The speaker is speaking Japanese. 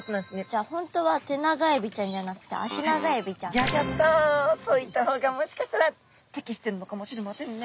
じゃあ本当はテナガエビちゃんじゃなくてそう言った方がもしかしたら適してるのかもしれませんね。